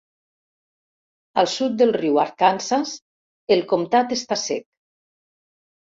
Al sud del riu Arkansas, el comtat està sec.